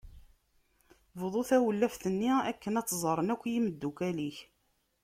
Bḍu tawlaft-nni akken ad tt-ẓren akk yemdukal-ik.